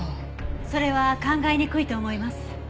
それは考えにくいと思います。